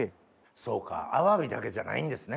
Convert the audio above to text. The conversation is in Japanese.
そうかアワビだけじゃないんですね